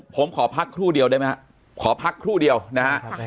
ผมขอพักครู่เดียวได้ไหมครับขอพักครู่เดียวนะฮะ